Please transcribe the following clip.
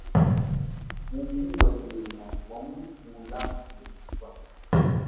Mumu wa yena wangukula mu kufa.